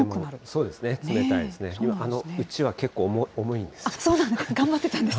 うちわ、結構重いんです。